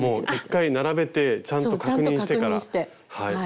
１回並べてちゃんと確認してから。